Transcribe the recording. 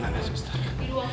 di ruangan igd pak